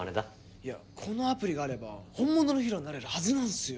いやこのアプリがあれば本物のヒーローになれるはずなんですよ。